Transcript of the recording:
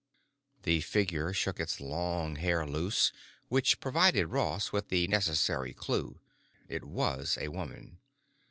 The figure shook its long hair loose, which provided Ross with the necessary clue: it was a woman.